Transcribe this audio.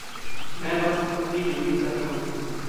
मैं बस अपनी ड्यूटी कर रहा हूँ।